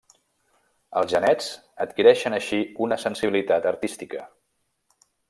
Els genets adquireixen així una sensibilitat artística.